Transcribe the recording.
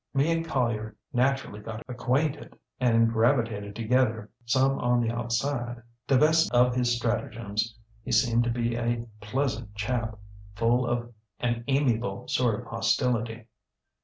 ŌĆ£Me and Collier naturally got acquainted, and gravitated together some on the outside. Divested of his stratagems, he seemed to be a pleasant chap, full of an amiable sort of hostility.